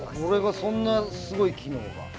これがそんなすごい機能が？